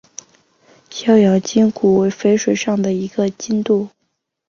逍遥津古为淝水上的一个津渡。